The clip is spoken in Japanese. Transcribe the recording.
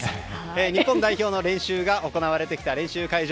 日本代表の練習が行われてきた練習会場